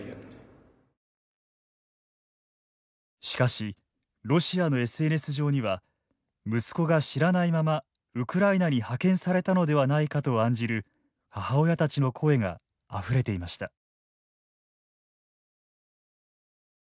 しかし、ロシアのＳＮＳ上には息子が知らないままウクライナに派遣されたのではないかと案じる母親たちの声があふれていました。